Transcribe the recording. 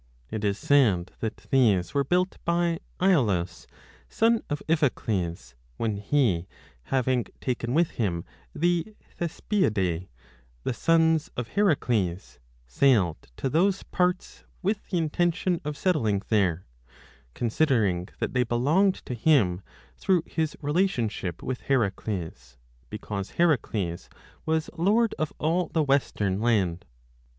It is said that these were built by lolaus, son of Iphicles, when he, having taken with him the Thespiadae, the sons of Heracles, sailed to those parts with the intention of settling there, considering that they belonged to him through his relationship with Heracles, because Heracles 30 was lord of all the western land.